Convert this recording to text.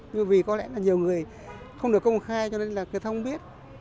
nhưng vì có lẽ là nhiều người không được công khai cho nên là người ta không biết